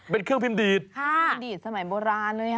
เป็นเครื่องพิมพ์ดีตเครื่องพิมพ์ดีตสมัยโบราณเลย